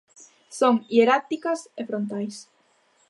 Son hieráticas e frontais.